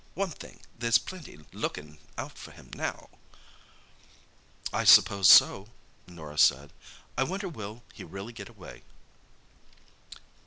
One thing, there's plenty lookin' out for him now." "I suppose so," Norah said. "I wonder will he really get away?"